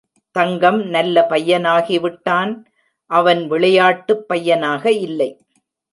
தங்கம் நல்ல பையனாகிவிட்டான் அவன் விளையாட்டுப் பையனாக இல்லை.